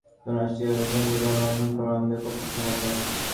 এমনকি রাজনৈতিক সমঝোতার জন্য রাষ্ট্রীয় সংবিধান লঙ্ঘন করা আমাদের পক্ষে সম্ভব নয়।